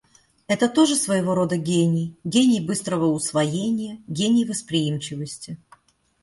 Это тоже своего рода гений, гений быстрого усвоения, гений восприимчивости.